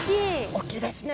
大きいですね。